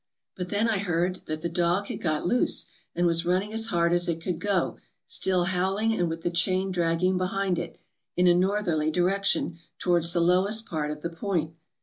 But then I heard that the dog had got loose, and was running as hard as it could go, still howling and with the chain dragging behind it, in a northerly direction, towards the lowest part of the point.